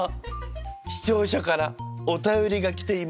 視聴者からお便りが来ています。